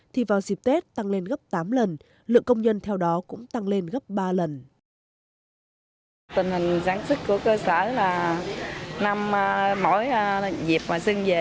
thì vào dịp tết tăng lên gấp tám lần lượng công nhân theo đó cũng tăng lên gấp ba lần